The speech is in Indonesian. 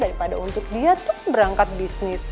daripada untuk dia tuh berangkat bisnis